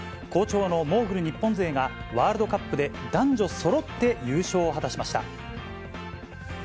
好調のモーグル日本勢が、ワールドカップで男女そろって優勝を果たしました。